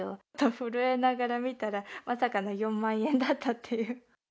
震えながら見たら、まさかの４万円だったっていう。